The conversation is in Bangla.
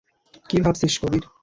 কি ভাবছিস, কবির?